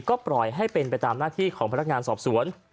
ก็ปล่อยให้เป็นไปตามหน้าที่ของพนักงานสอบสวน